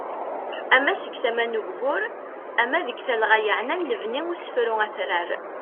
Ama seg tama n ugbur, ama deg talɣa yaɛnan lebni usefru atrar.